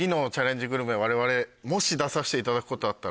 われわれもし出させていただくことあったら。